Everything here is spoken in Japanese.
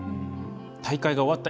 大会が終わった